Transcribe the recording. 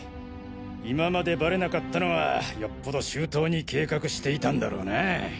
今までばれなかったのはよっぽど周到に計画していたんだろうなぁ。